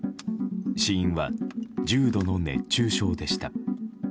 死因は重度の熱中症でした。